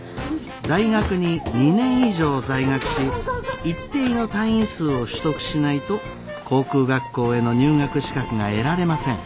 大学に２年以上在学し一定の単位数を取得しないと航空学校への入学資格が得られません。